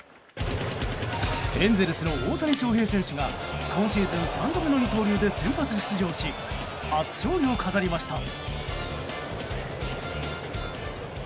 エンゼルスの大谷翔平選手が今シーズン３度目の二刀流で先発出場し初勝利を飾りました。